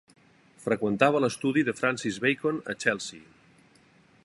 Freqüentava l'estudi de Francis Bacon a Chelsea.